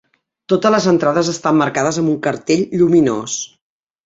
Totes les entrades estan marcades amb un cartell lluminós.